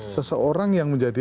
seseorang yang menjadi